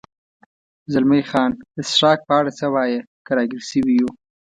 زلمی خان: د څښاک په اړه څه وایې؟ که را ګیر شوي یو.